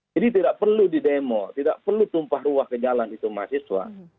jadi tidak perlu di demo tidak perlu tumpah ruah ke jalan itu mahasiswa